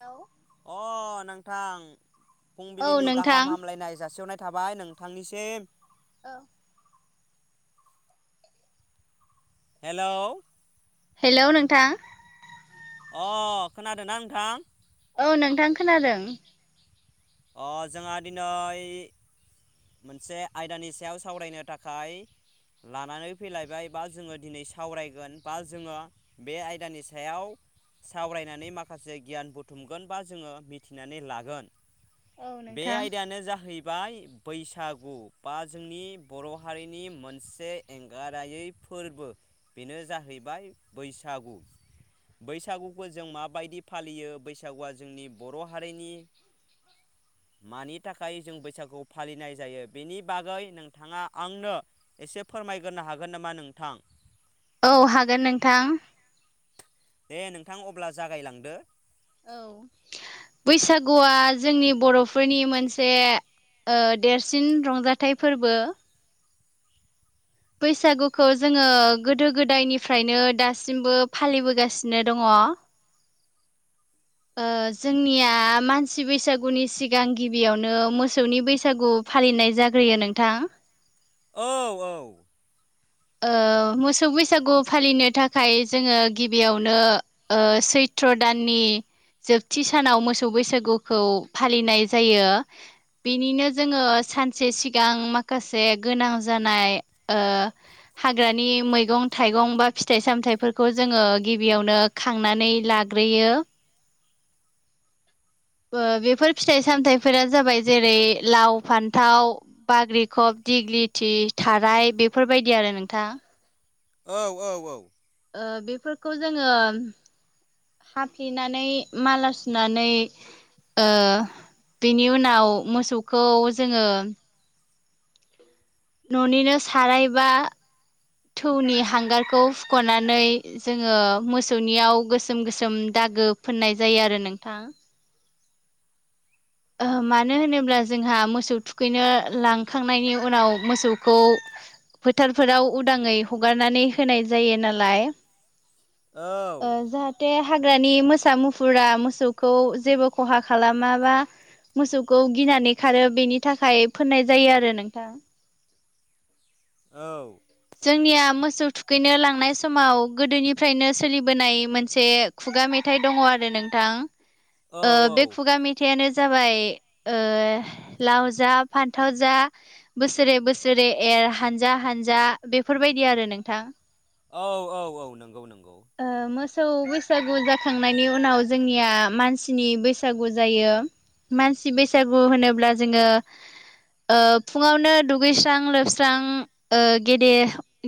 हेल अ नोंथां फुंबिलिनि नोंथां गाहाम हामलायनाय जासिहरनाय थाबाय नोंथांनिसिम। ओं हेलौ? हेलौ नोंथां? अ खोनादों ना नोंथां? ओ नोंथां खोनादों। अ जोंहा दिनै। मोनसे आयदानि सायाव सावरायनो थाखाय लानानै फैलायबाय बा जोङो दिनै सावरायगोन बा जोङो बे आयदानि सायाव। सावरायनानै माखासे गियान बुथुमगोन बा जोङो मिथिनानै लागोन। बे औ आयदायानो जाहै बाय बैसागु बा जोंनि बर' हारिनि मोनसे एंगारहायै फोरबो बेनो जाहैबाय बैसागु। बैसागुखौ जों माबायदि फालियो बैसागुआ जोंनि बर' हारिनि [inaudible] मानि थाखाय जों बैसागु फालिनाय जायो बेनि बागै नोंथाङा आंनो एसे फोरमायग्रोनो हागोन नामा नोंथां? औ हागोन नोंथां। दे नोंथां अब्ला जागायलांदो। औ बैसागुआ जोंनि बर'फोरनि मोनसे। ओ देरसिन रंजाथाइ फोरबो। बैसागुखौ जोङो गोदो गोदायनिफ्रायनो दासिमबो फालिबोगासिनो दङ। बा। [inaudible] ओ जोंनिया मानसि बैसागुनि सिगां गिबियावनो मोसौनि बैसागु। फालिनाय जाग्रोयो नोंथां। औ औ। मोसौ बैसागु फालिनो थाखाय जोङो गिबियावनो सैथ। चत्र दाननि जोबथि सानाव मोसौ बैसागुखौ फालिनाय जायो। बेनिनो जोङो सानसे सिगां माखासे गोनां जानाय। हाग्रानि मैगं थाइगं बा फिथाइ सामथाइफोरखौ जोङो गिबियावनो खांनानै। लाग्रोयो। [inaudible] बेफोर फिथाइ सामथायाइफोरा जाबाय जेरै लाव फान्थाव बाग्रिखब दिग्लि। फुथि थाराय बेफोरबायदि आरो नोंथां। औ औ औ। ओ बेफोरखौ जोङो। हाफ्लेनानै माला सुनानै। बेनि उनाव मोसौखौ जोङो। न'निनो सारायबा। थौनि हांगारखौ हुख'नानै जोङो मोसौनियाव गोसोम गोसोम द दागो फोननाय जायो आरो नोंथां। मानो होनोब्ला जोंहा मोसौ थुखैनो लांखांनायनि उनाव मोसौखौ। फोथारफोराव उदाङै हगारनानै होनाय जायो नालाय। ओ जाहाथे। हाग्रानि मोसा मुफुरा मोसौखौ जेबो खहा खालामाबा। मोसौखौ गिनानै खारो बेनि थाखाय फोननाय जायो आरो नोंथां। औ। जोंनिया मोसौ थुखैनो लांनाय समाव गोदोनिफ्रायनो सोलिबोनाय मोनसे खुगा मेथाइ। मेथाइ दङ आरो औ नोंथां औ बे खुगा मेथाइयानो जाबाय ओ लाव जा फान्थाव जा बोसोरे बोसोरे ए हानजा हानजा बेफोरबायदि आरो नोंथां। औ औ औ नंगौ नंगौ। मोसौ बैसागु जाखांनायनि उनाव जोंनिया मानसिनि बैसागु जायो। मानसि बैसागु होनोब्ला जोङो। फुङावनो दुगैस्रां लोबस्रां गेद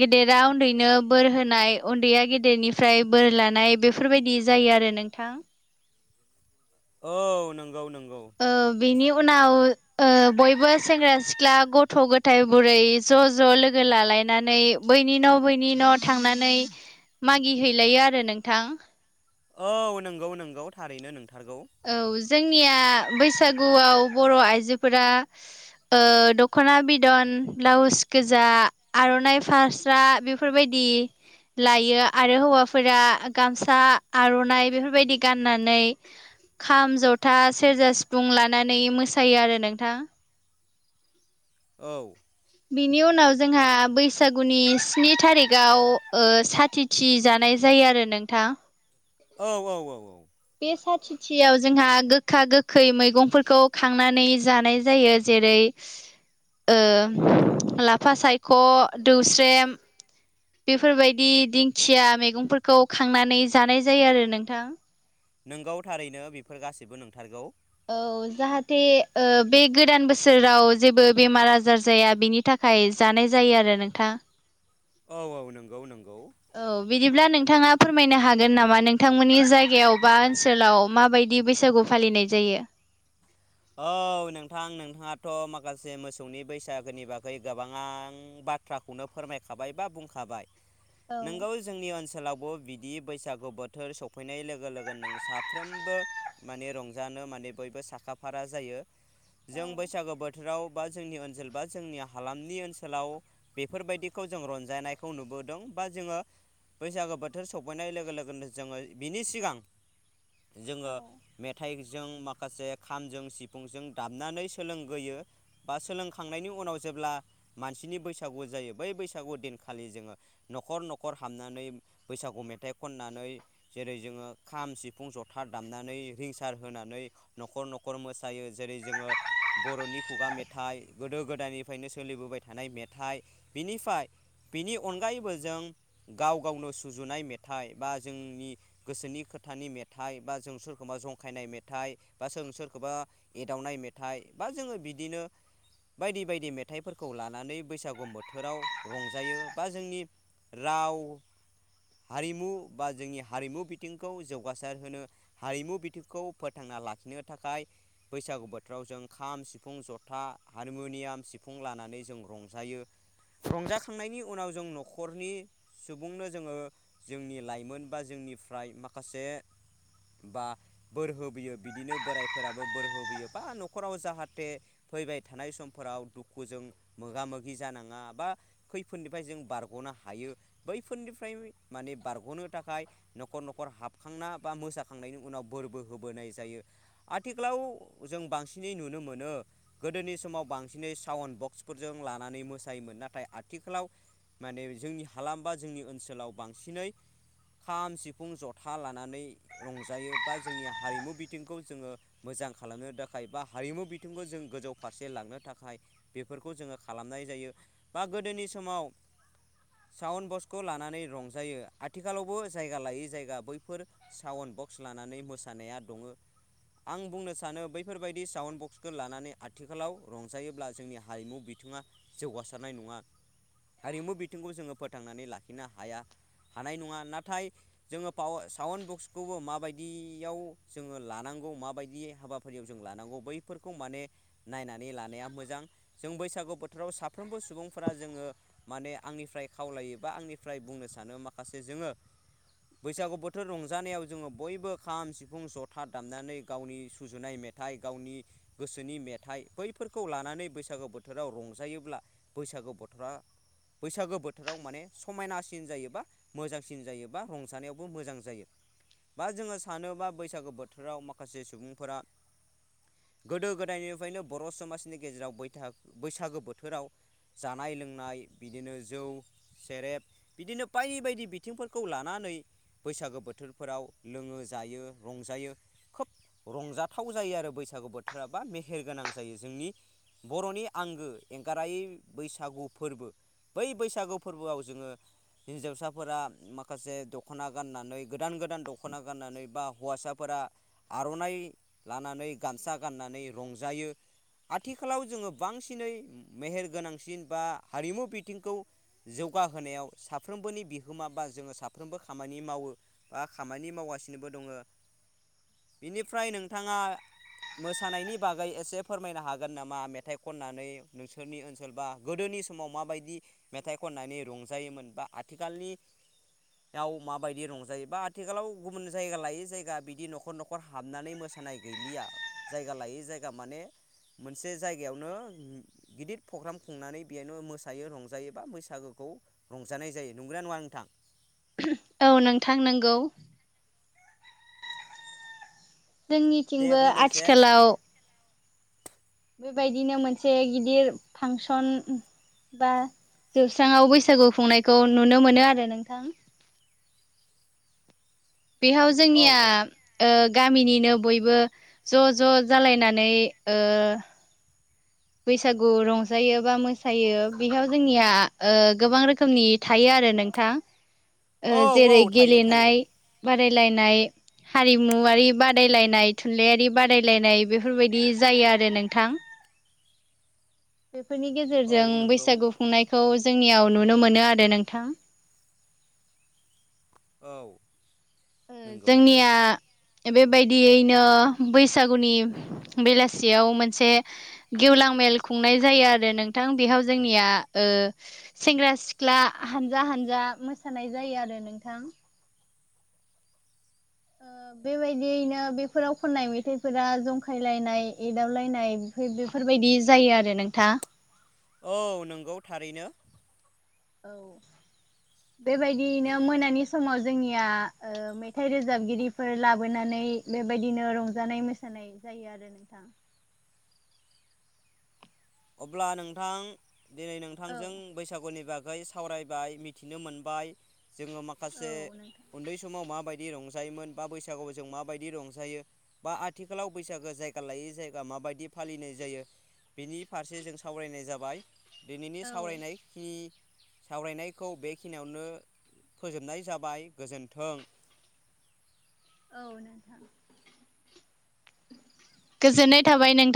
गेदेरा उन्दैनो। बोर होनाय उन्दैया गेदेरनिफ्राय बोर लानाय बेफोरबायदि जायो आरो नोंथां। औ नंगौ नंगौ। औ बिनि उनाव ओं बयबो सेंग्रा सिख्ला गथ' गथाइ बुरै ज' ज' लोगो लालायनानै बै बैनि न' बैनि न' थांनानै मागि हैैलायो आरो नोंथां। औ नंगौ नंगौ थारैनो नोंथां। औ जोंनिया बैसागुआव बर' आइजोफोरा ओं दख'ना बिदन, ब्लाउस गोजा, आर'नाइ फास्रा बेफोरबायदि दि लायो आरो हौवाफोरा गामसा, आर'नाइ बेफोरबायदि गाननानै खाम, जथा, सेरजा, सिफुं लानानै मोसायो आरो नोंथां। औ बिनि उनाव जोंहा बैसागुनि स्नि थारिखाव ओं साथिथि जानाय जायो आरो नोंथां औ औ औ औ बे साथिथियाव जोंहा गोखा गोखै मैगंफोरखौ खांनानै जानाय जायो जेरै ओं लाफा सायख', दौस्रेम बेफोरबायदि दिंखिया मैगंफोरखौ खांनानै जानाय जायो आरो नोंथां। नंगौ थारैनो बेफोर गासिबो नंथारगौ। औ जाहाथे ओं बे गोदान बोसोराव जेबो बेमार आजार जाया बिनि थाखाय जानाय जायो आरो नोंथां। औ औ नंगौ नंगौ औ बिदिब्ला नोंथाङा फोरमायनो हागोन नामा नोंथांमोननि जायगायाव बा ओनसोलाव माबायदि बैसागु फालिनाय जायो? [inaudible] औ नोंथां नोंथाङाथ' माखासे मोसौनि बैसागोनि बागै गोबाङा बाथ्राखौनो फोरमायखाबाय बा बुंखाबाय औ नंगौ जोंनि ओनसोलाव बिदि बैसागु बोथोर सफैनाय लोगो लोगोनो साफ्रोमबो माने रंजानो माने बयबो साखाफारा जायो जों बैसागो बो बोथोराव बा जोंनि ओनसोल बा जोंनि हालामनि ओनसोलाव बेफोरबायदिखौ जों रंजायनायखौ नुबो नुबोदों बा जोङो बैसागो बोथोर सफैनाय लोगो लोगोनो जोङो बिनि सिगां जोङो औ मेथाइजों माखासे खामजों सिफुंजों दामनानै सोलोंगोयो बा सोलोंखांनायनि उनाव जेब्ला मानसि स्नि बैसागु जायो बै बैसागु दिनखालि जोङो न'खर न'खर हाबनानै बैसागु मेथाइ खननानै जेरै जोङो खाम, सिफुं, जथा दामनानै रिंसार होनानै न'खर न'खर मोसायो जेरै जोङो बर'नि खुगा मेथाइ गोदो गोदायनिफ्रायनो सोलिबोबाय थानाय मेथाइ बिनिफ्राय बिनि अनगायैबो जों गाव गावनो सुजुनाय मेथाइ बा जोंनि गोसोनि खोथानि मेथाइ बा जों सोरखौबा जंखायनाय मेथाइ, बा सोरो सोरखौबा एदावनाय मेथाइ बा जोङो बिदिनो बायदि बायदि मेथाइफोरखौ लानानै बैसागु बोथोराव रंजायो बा जोंनि राव हारिमु बा जोंनि हारिमु बिथिंखौ जौगासार होनो हारिमु बिथिंखौ फो थांना लाखिनो थाखाय बैसागु बोथोराव जों खाम, सिफुं, जथा, हारिमुनियाम, सिफुं लानानै जों रंजायो। रंजाखांनायनि उनाव जों न'खरनि सुबुंनो जोङो जोंनि लाइमोन बा जों निफ्राय माखासे बा बोर होबो यो बिदिनो बोरायफोराबो बोर होबोयो बा न'खराव जाहाथे फैबाय थानाय समफोराव दुखु खौ जों मोगा मोगि जानाङा बा खैफोदनिफ्राय जों बारग'नो हायो बैफोरनिफ्राय माने बारग'नो थाखाय न'खर न'खर हाबखांना बा मोसाखांनायनि उनाव बोरबो हो बोनाय जायो आथिखालाव जों बांसिनै नुनो मोनो गोदोनि समाव बांसिनै साउन्ड बक्सफोरजों लानानै मोसायोमोन नाथाय आथिखालाव माने जोंनि हालाम बा जोंनि ओनसोलाव बांसिनै खाम, सिफुं, जथा लानानै रंजायो बा जोंनि हारिमु बिथिंखौ जोङो मोजां खालामनो थाखाय बा हारिमु बिथिंखौ जों गोजौ फारसे लांनो थाखाय बेफोरखौ जोङो खालामनाय जायो। बा गोदोनि समाव सावन बक्सखौ लानानै रंजायो आथिखालावबो जायगा लायै जायगा बैफोर सावन बक्स लानानै मोसानाया दङ। आं बुंनो सानो बैफोरबायदि साउन्ड बक्सखौ लानानै आथिखालाव रंजायोब्ला जोंनि हारिमु बि थिङा जौगासारनाय नङा हारिमु बिथिंखौ जोङो फोथांनानै लाखिनो हाया। हानाय नङा नाथाय जोङो पाव सउन् बक्सखौबो माबायदि याव जोङो लानांगौ माबायदि हाबाफारियाव जों लानांगौ बैफोरखौ माने नायनानै लानाया मोजां। जों बैसागु बोथोराव साफ्रोमबो सुबुंफोरा जोङो माने आंनिफ्राय खावलायोबा आंनिफ्राय बुंनो सानो माखासे जोङो बैसागु बोथोर रंजानायाव जोङो बयबो खाम सिफुं जथा दामनानै गावनि सुजुनाय मेथाइ गावनि गोसोनि मेथाइ बै फोरखौ लानानै बैसागो बोथोराव रंजायोब्ला बैसागो बोथोरा बैसागो बोथोराव माने समायनासिन जायोबा मोजांसिन जायोबा रंजानायावबो मोजां जायो। बा जोङो सानोबा बैसागु बोथोराव माखासे सुबुंफोरा गोदो गोदायनिफ्रायनो बर' समाजनि गेजेराव बैसागो बोथोराव जानाय लोंनाय बिदिनो जौ सेरेब बिदिनो बायदि बायदि बिथिंफोरखौ लानानै बैसागो बोथोरफोराव लोङो जायो। रंजायो खोब रंजाथाव जायो आरो बैसागु बोथोरा बा मेहेर गोनां जायो। जों जोंनि बर'नि आंगो एंगारायै बैसागु फोरबो। बै बैसागु फोरबोआव जोङो हिनजावसाफोरा माखासे दख'ना गाननानै गोदान गोदान दख'ना गाननानै बा हौवासाफोरा आर'नाइ लानानै गामसा गाननानै रंजायो। आथिखालाव जोङो बांसिनै मेहेर गोनांसिन बा हारिमु बिथिंखौ जौगाहोनायाव साफ्रोमबोनि बिहोमा बा जोङो साफ्रोमबो खामानि मावो बा खामानि मावगासिनो। फनोबो [unintelligible] दङ बेनिफ्राय नोंथाङा। मोसानायनि बागै एसे फोरमायनो हागोन नामा मेथाइ खननानै नोंसोरनि ओनसोल बा गोदोनि नि समाव माबायदि मेथाइ खननानै रंजायोमोन बा आथिखालनि याव माबायदि रंजायो बा आथिखालाव गुबुन जायगा लायै जायगा बिदि न'खर न'खर हाबनानै मोसानाय गैलिया जायगा लायै जायगा माने मोनसे जायगायावनो गिदिर प्रग्राम खुंनानै बेयावनो मोसायो रंजायो बा बैसागोखौ खौ रंजानाय जायो नंगौना नङा नोंथां? औ नोंथां नंगौ। दे जोंनिथिंबो बुंदो एसे आथिखालाव बेबायदिनो मोनसे गिदिर फांसन बा जौवस्रांआव बैसागु खुंनायखौ नुनो मोनो आरो नोंथां। बेयाव औ जोंनिया औ ओ गामिनिनो बयबो ज' ज' जालायनानै ओ बैसागु रंजायो बा मोसायो। बेयाव जोंनिया ओ गोबां रोखोमनि थायो। आरो नोंथां औ औ जेरै थायो थायो गेलेनाय बादायलायनाय हारिमुवारि बादायलायनाय थुनलाइयारि बादायलायनाय बेफोरबायदि जायो आरो नोंथां। बेफोरनि औ गेजेरजों नंगौ बैसागु खुंनाय खौ जोंनियाव नुनो मोनो आरो नोंथां। औ। नंगौ नंगौ जोंनिया बेबायदियैनो बैसागुनि बेलासियाव मोनसे गेवलां मेल खुंनाय जायो आरो नोंथां बे जोंनिया सेंग्रा सिख्ला हानजा हानजा हानजा मोसानाय जायो आरो नोंथां। ओ [inaudible] बेबायदियैनो बेफोराव खननाय मेथाइफोरा जंखायलायनाय एदाबलायनायफोर बेफोर बेबायदि जायो आरो नोंथाङा। औ नंगौ थारैनो। औ नों बेबायदियैनो मोनानि समाव जोंनिया मेथाइ रोजाबगिरिफोर लाबोनानै बेबायदिनो रंजानाय मोसानाय जायो आरो नोंथां। [inaudible] अब्ला नोंथां दिनै औ नोंथांजों बैसागुनि बागै सावरायबाय मिथिनो मोनबाय जोङो औ माखासे नोंथां उन्दै समाव माबायदि। रंजायोमोन बा बैसागु जों माबायदि रंजायो बा आथिखालाव बैसागो जायगा लायै जायगा मा माबायदि फालिनाय जायो बिनि फारसे जों सावरायनाय जाबाय दिनैनि औ सावरायनायखिनि सावरायनायखौ बेखिनियावनो फोजोबनाय जाबाय गोजोन्थों। [inaudible] गोजोननाय थाबाय नों